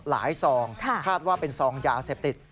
ซองคาดว่าเป็นซองยาเสพติด